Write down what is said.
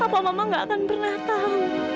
bapak mama gak akan pernah tahu